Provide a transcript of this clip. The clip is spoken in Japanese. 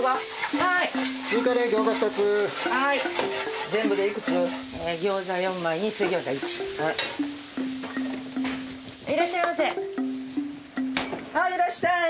はいいらっしゃい。